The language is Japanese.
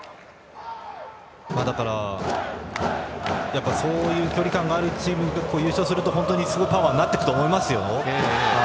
だから、そういう距離感があるチームが優勝すると本当にすごいパワーになっていくと思いますよ。